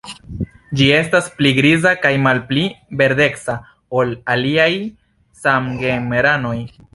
Ĝi estas pli griza kaj malpli verdeca ol aliaj samgenranoj.